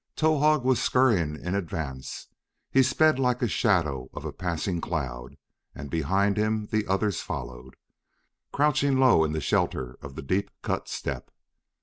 Towahg was scurrying in advance; he sped like a shadow of a passing cloud, and behind him the others followed, crouching low in the shelter of the deep cut step.